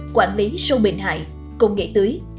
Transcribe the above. quản lý sâu bình hại công nghệ tưới